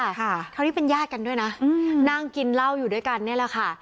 คราวนี้เป็นญาติกันด้วยนะอืมนั่งกินเหล้าอยู่ด้วยกันเนี่ยแหละค่ะ